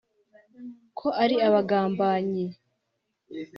ko ari abagambanyi